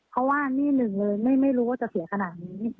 เพราะว่านี่หนึ่งเลยไม่รู้ว่าจะเสียขนาดนี้